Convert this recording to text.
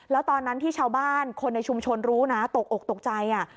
แล้วตอนนั้นที่ชาวบ้านคนในชุมชนรู้นะตกอกตกใจ